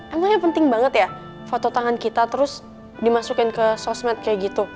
emangnya penting banget ya foto tangan kita terus dimasukin ke sosmed kayak gitu